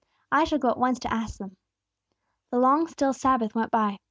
I shall go at once to ask them." The long, still Sabbath went by.